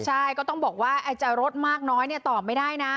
ใช่ก็ต้องบอกว่าจะลดมากน้อยเนี่ยตอบไม่ได้นะ